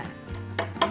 ini untuk kayunya bukan